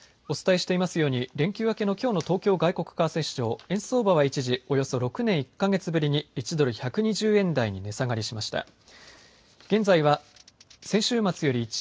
お伝えしていますように連休明けのきょうの東京外国為替市場、円相場は一時およそ６年１か月ぶりに１ドル１２０円台に値下がりしました。